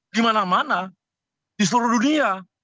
di mana mana di seluruh dunia